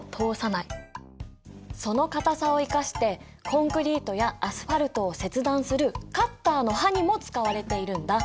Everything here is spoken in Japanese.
その硬さを生かしてコンクリートやアスファルトを切断するカッターの刃にも使われているんだ。